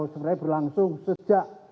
sebenarnya berlangsung sejak